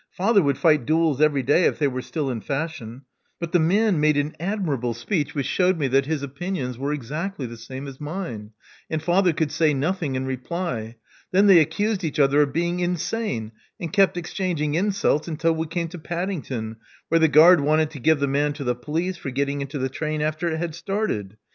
Father would fight duels every day if they were still in fashion. But the man made an admirable speech which shewed me that his opinions were exactly the same as mine; and father could say nothing in reply. Then they accused each other of being insane, and kept exchanging insults until we came to Padding ton, where the guard wanted to give the man to the police for getting into the train after it had started.